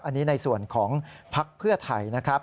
อันนี้ในส่วนของภักดิ์เพื่อไทยนะครับ